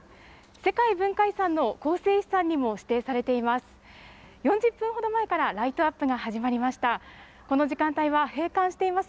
世界文化遺産の構成資産にも指定されています。